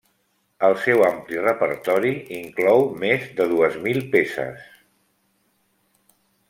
El seu ampli repertori inclou més de dues mil peces.